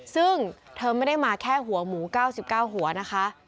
ซึ่งเธอไม่ได้มาแค่หัวหมู๙๙หัวนะคะ